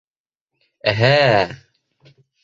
— Ә-һә-ә!